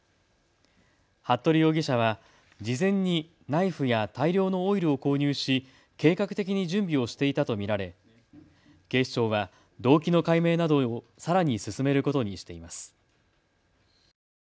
服部容疑者は事前にナイフや大量のオイルを購入し計画的に準備をしていたと見られ警視庁は動機の解明などをさらに進めることにしています。